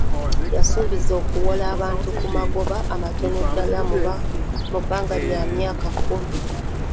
Yasuubizza okuwola abantu ku magoba amatono ddala mu bbanga lya myaka kumi.